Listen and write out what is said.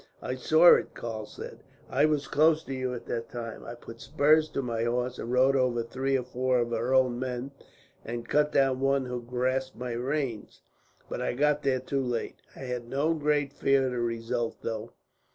"I saw it," Karl said. "I was close to you at the time. I put spurs to my horse and rode over three or four of our own men, and cut down one who grasped my reins; but I got there too late. I had no great fear of the result, though.